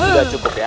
sudah cukup ya